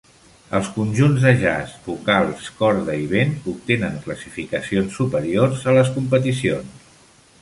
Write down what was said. Els conjunts de jazz, vocals, corda i vent obtenen classificacions superiors a les competicions.